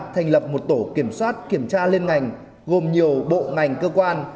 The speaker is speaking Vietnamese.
thành lập một tổ kiểm soát kiểm tra liên ngành gồm nhiều bộ ngành cơ quan